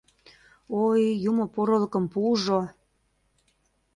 Ой, юмо порылыкым пуыжо!..